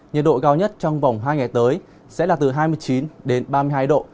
nhiệt độ cao nhất trong vòng hai ngày tới sẽ là từ hai mươi chín đến ba mươi hai độ